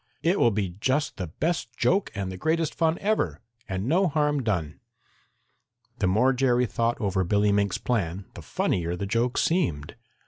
"It will be just the best joke and the greatest fun ever, and no harm done." The more Jerry thought over Billy Mink's plan, the funnier the joke seemed.